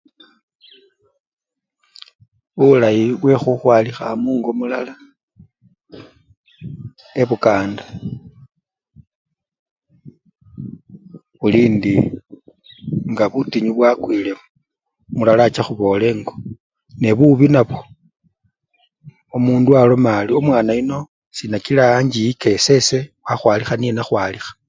Bulayi bwekhukhwalikha mungo mulala ebukanda bulindi nga butinyu bwakwilewo, mulala acha khubola engo, nebubi nabwo, omundu mulala aloma ari omwana yuno sinakila anchiyika esese wakhwalikha niye nakhwalikha.